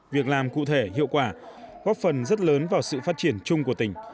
việc làm cụ thể hiệu quả góp phần rất lớn vào sự phát triển chung của tỉnh